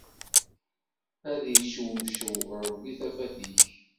Ad iccewceɛ Ṛebbi tafat ik.